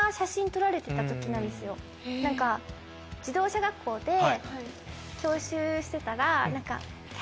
何か自動車学校で教習してたら。